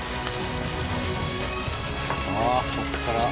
ああそこから。